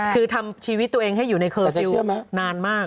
คือทำชีวิตตัวเองให้อยู่ในเคอร์เซลล์นานมาก